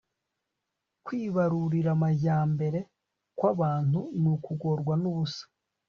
Kwibariramajyambere kwabantu nukugorwa nubusa